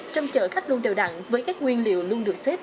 trong chợ khách luôn đều đặn với các nguyên liệu luôn được xếp